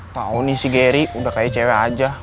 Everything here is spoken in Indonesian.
tau nih si gary udah kayak cewek aja